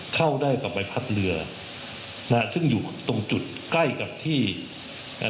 เข้าได้กับใบพัดเรือนะฮะซึ่งอยู่ตรงจุดใกล้กับที่เอ่อ